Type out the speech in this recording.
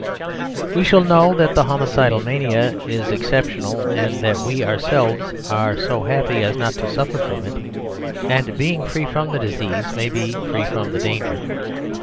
We shall know that homicidal mania is exceptional and that we ourselves are so happy as not to suffer from it; and being free from the disease may be free from the danger.